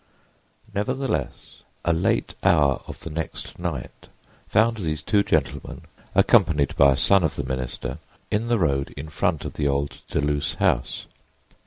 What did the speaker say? Nevertheless, a late hour of the next night found these two gentlemen, accompanied by a son of the minister, in the road in front of the old Deluse house.